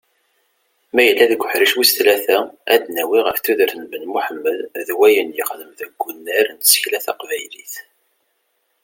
Ma yella deg uḥric wis tlata, ad d-nawwi ɣef tudert n Ben Muḥemmed d wayen yexdem deg wunar n tsekla taqbaylit.